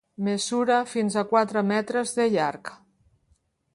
Mesura fins a quatre metres de llarg.